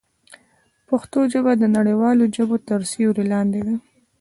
پښتو ژبه د نړیوالو ژبو تر سیوري لاندې ده.